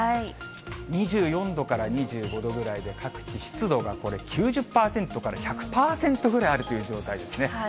２４度から２５度ぐらいで、各地、湿度がこれ、９０％から１００％ぐらいあるという状態ですね。